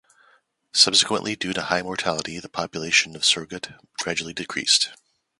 Subsequently, due to high mortality, the population of Surgut gradually decreased.